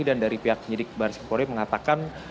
dan dari pihak penyidik baris kempori mengatakan